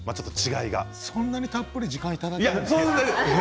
そうなりたっぷり時間をいただけるんですか。